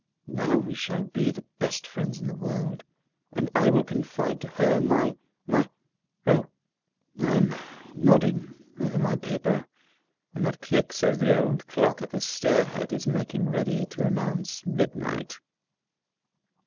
Now we shall be the best friends in the world, and I will confide to her my my O, I am nodding over my paper, and that click says the old clock at the stair head is making ready to announce midnight.